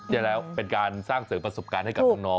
ใช่แล้วเป็นการสร้างเสริมประสบการณ์ให้กับน้อง